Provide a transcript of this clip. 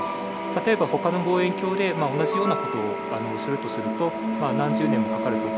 例えばほかの望遠鏡で同じような事をするとすると何十年もかかると。